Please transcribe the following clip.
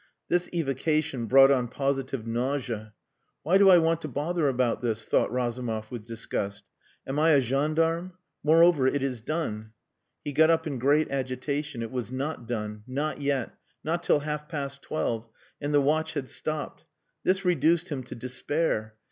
This evocation brought on positive nausea. "Why do I want to bother about this?" thought Razumov with disgust. "Am I a gendarme? Moreover, it is done." He got up in great agitation. It was not done. Not yet. Not till half past twelve. And the watch had stopped. This reduced him to despair.